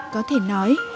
có thể nói